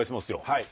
はい。